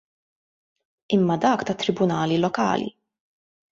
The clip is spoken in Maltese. Imma dak tat-Tribunali Lokali.